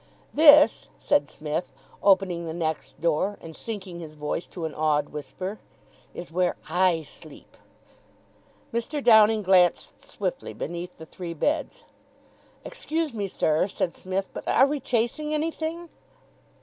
"This," said Psmith, opening the next door and sinking his voice to an awed whisper, "is where I sleep!" Mr. Downing glanced swiftly beneath the three beds. "Excuse me, sir," said Psmith, "but are we chasing anything?"